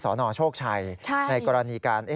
สนโชคชัยในกรณีการ